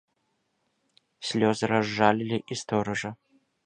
Слёзы разжалілі і стоража.